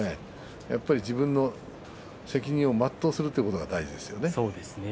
自分の責任を全うするということが大事です。